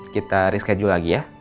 kita reschedule lagi ya